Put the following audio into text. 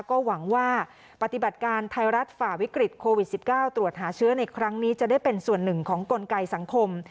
ก็หวังว่าปฏิบัติการไทยรัฐฝ่าวิกฤตโควิด๑๙ตรวจหาเชื้อในครั้งนี้จะได้เป็นส่วนหนึ่งของกลไกสังคม